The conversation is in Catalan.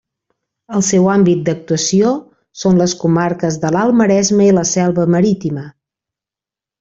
El seu àmbit d'actuació són les comarques de l'Alt Maresme i la Selva Marítima.